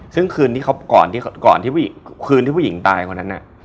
ซึ่งคืนที่ผู้หญิงตายคนนั้น